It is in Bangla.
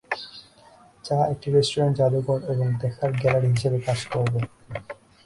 যা একটি রেস্টুরেন্ট, যাদুঘর, এবং দেখার গ্যালারি হিসাবে কাজ করবে।